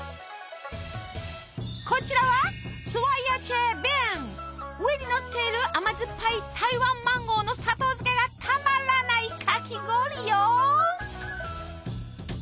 こちらは上にのっている甘酸っぱい台湾マンゴーの砂糖漬けがたまらないかき氷よ！